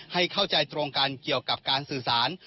ให้เข้าใจตรงกันเกี่ยวกับการสื่อสาร